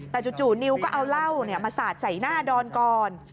แต่จู่นิวก็เอาเหล้ามาสาดใส่หน้าดอนก่อน